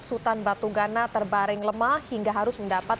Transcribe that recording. sultan batu gana terbaring lemah hingga harus mendapat